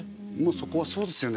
そこはそうですよね。